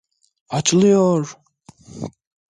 Açılıyor!